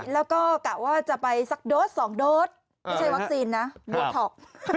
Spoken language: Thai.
แล้วก็กะว่าจะไปสักโดส๒โดสไม่ใช่วัคซีนนะโบท็อก